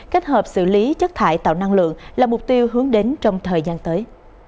kết hợp xử lý chất thải tạo năng lượng là mục tiêu hướng đến trong thời gian tới